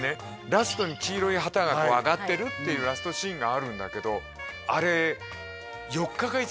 ラストに黄色い旗が上がってるっていうラストシーンがあるんだけどあれ